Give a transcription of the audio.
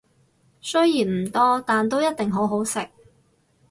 雖然唔多，但都一定好好食